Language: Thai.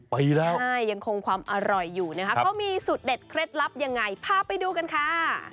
ปีแล้วใช่ยังคงความอร่อยอยู่นะคะเขามีสูตรเด็ดเคล็ดลับยังไงพาไปดูกันค่ะ